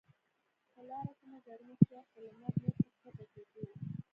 په لاره کې مو ګرمي شوه، خو لمر نور په کښته کیدو و.